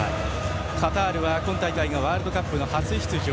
カタールは今大会がワールドカップ初出場。